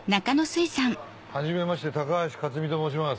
はじめまして高橋克実と申します。